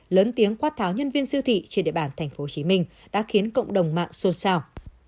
lớn tiếng quát tháo nhân viên siêu thị trên địa bàn tp hcm đã khiến cộng đồng mạng xôn xao